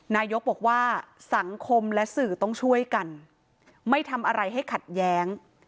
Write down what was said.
นายกบอกว่าสังคมและสื่อต้องช่วยกันไม่ทำอะไรให้ขัดแย้ง